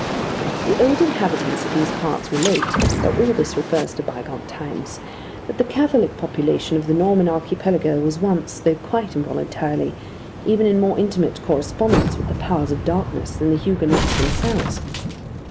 The old inhabitants of these parts relate though all this refers to bygone times that the Catholic population of the Norman Archipelago was once, though quite involuntarily, even in more intimate correspondence with the powers of darkness than the Huguenots themselves.